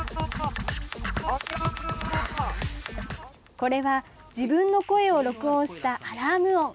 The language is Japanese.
これは、自分の声を録音したアラーム音。